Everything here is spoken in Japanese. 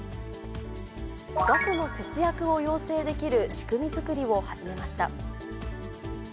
ガスの節約を要請できる仕組み作りを始めました。